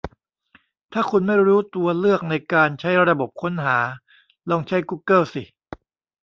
ถ้าคุณไม่รู้ตัวเลือกในการใช้ระบบค้นหา ลองใช้กูเกิ้ลสิ